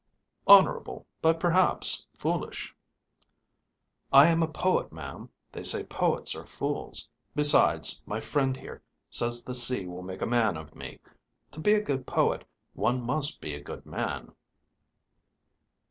"Honorable, but perhaps foolish." "I am a poet, ma'am; they say poets are fools. Besides, my friend here says the sea will make a man of me. To be a good poet, one must be a good man."